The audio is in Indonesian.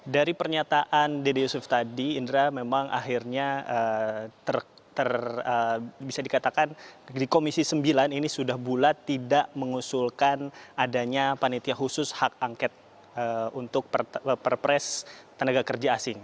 dari pernyataan dede yusuf tadi indra memang akhirnya bisa dikatakan di komisi sembilan ini sudah bulat tidak mengusulkan adanya panitia khusus hak angket untuk perpres tenaga kerja asing